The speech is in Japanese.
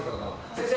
先生。